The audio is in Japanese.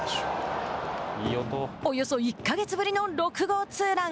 およそ１か月ぶりの６号ツーラン。